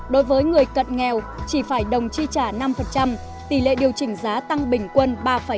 đối với người cận nghèo chỉ phải đồng chi trả năm tỷ lệ điều chỉnh giá tăng bình quân ba hai mươi ba